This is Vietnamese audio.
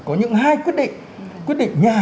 có những hai quyết định quyết định nhà